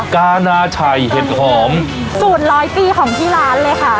กานาชัยเห็ดหอมสูตรร้อยปีของที่ร้านเลยค่ะ